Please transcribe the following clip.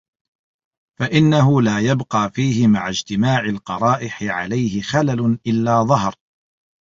فَإِنَّهُ لَا يَبْقَى فِيهِ مَعَ اجْتِمَاعِ الْقَرَائِحِ عَلَيْهِ خَلَلٌ إلَّا ظَهَرَ